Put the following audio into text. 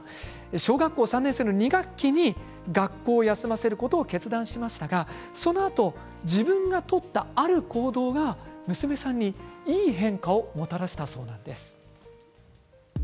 小学校３年生の２学期に学校を休ませることを決断しましたがそのあと自分が取ったある行動が娘さんによい変化をもたらしたそうです。